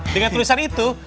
dengan tulisan itu